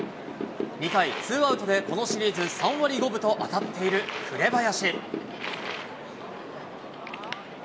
２回、ツーアウトでこのシリーズ３割５分と当たっている紅林。